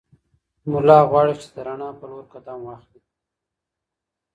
ملا غواړي چې د رڼا په لور قدم واخلي.